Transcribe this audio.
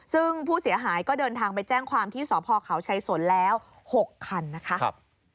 ซึ่งผู้เสียหายก็เดินทางไปแจ้งความที่สพเขาชัยสนแล้ว๖คันนะคะ